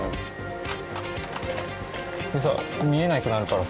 でさ見えなくなるからさ